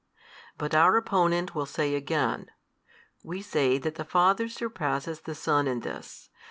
But our opponent will say again, "We say, that the Father surpasses the Son in this.